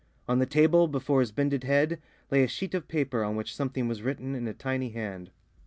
On the table, before his bended head, lay a sheet of paper on which something was written in a tiny hand.